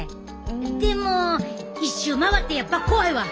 でも一周回ってやっぱ怖いわ！